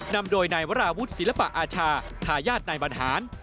นำโดยนายวราวุฒิศิลปะอาชาทายาทนายบรรหาร